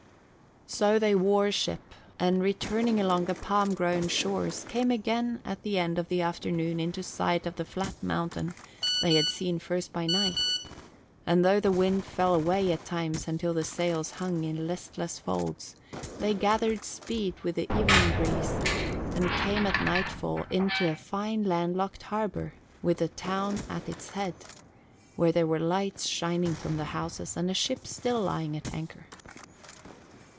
So they wore ship, and returning along the palm grown shores, came again at the end of the afternoon into sight of the flat mountain they had seen first by night; and though the wind fell away at times until the sails hung in listless folds, they gathered speed with the evening breeze and came at nightfall into a fine landlocked harbour with the town at its head, where there were lights shining from the houses and a ship still lying at anchor.